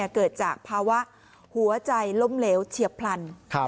เกิดจากภาวะหัวใจล้มเหลวเฉียบพลัน